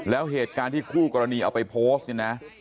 แล้วเหตุการณ์ที่คู่กรณีเอาไปโพสต์นี่นะ